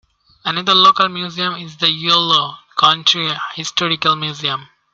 Another local museum is the Yolo County Historical Museum.